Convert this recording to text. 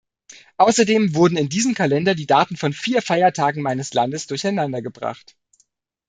Außerdem wurden in diesem Kalender die Daten von vier Feiertagen meines Landes durcheinander gebracht.